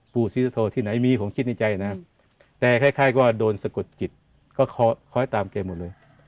ปู่ศรีสุโธที่ไหนมีผมคิดในใจนะแต่คล้ายว่าโดนสะกดจิตก็คอยตามแกหมดเลย